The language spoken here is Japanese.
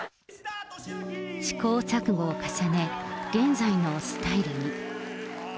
試行錯誤を重ね、現在のスタイルに。